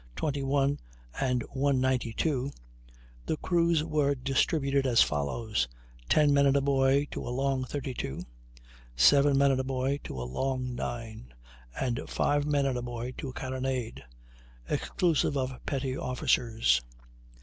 21 and 192), the crews were distributed as follows: ten men and a boy to a long 32. seven men and a boy to a long 9. and five men and a boy to a carronade, exclusive of petty officers.